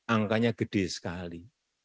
angkanya gede sekali